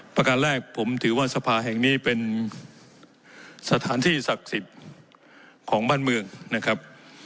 ประการแรกผมถือว่าสภาแห่งนี้เป็นสถานที่ศักดิ์สิทธิ์ของบ้านเมืองนะครับ